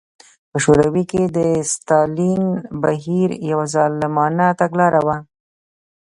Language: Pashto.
په شوروي کې د ستالین بهیر یوه ظالمانه تګلاره وه.